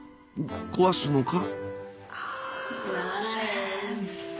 壊すのか？